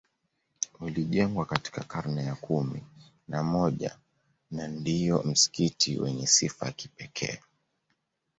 Ulijengwa katika karne ya kumi na moja na ndio msikiti wenye sifa ya kipekee